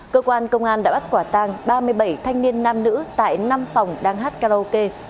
cơ quan công an đã bắt quả tang ba mươi bảy thanh niên nam nữ tại năm phòng đang hát karaoke